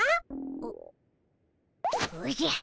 おおじゃ。